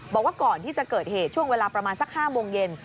บอกว่าก่อนที่จะเกิดเหตุช่วงเวลาประมาณสัก๕โมงเย็น